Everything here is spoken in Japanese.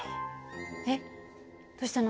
えっどうしたの？